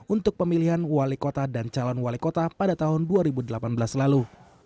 untuk pemilihan wali kota dan calon wali kota pada tahun dua ribu delapan belas lalu